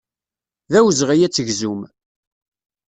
D awezɣi ad tegzum.